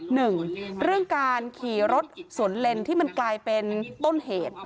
หนึ่งเรื่องการขี่รถสวนเลนที่มันกลายเป็นต้นเหตุ